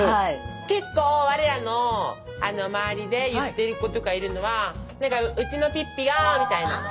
結構我らの周りで言ってる子とかいるのはうちのピッピがみたいな。